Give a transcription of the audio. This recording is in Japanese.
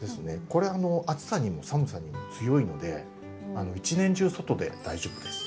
これ暑さにも寒さにも強いので一年中外で大丈夫です。